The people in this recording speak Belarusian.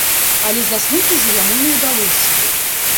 Але заснуць ужо яму не ўдалося.